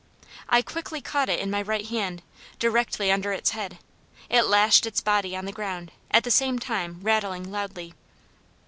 I quickly caught it in my right hand, directly under its head; it lashed its body on the ground, at the same time rattling loudly.